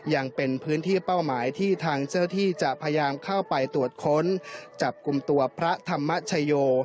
ยังเป็นพื้นที่เป้าหมายที่ทางเจ้าที่จะพยายามเข้าไปตรวจค้นจับกลุ่มตัวพระธรรมชโย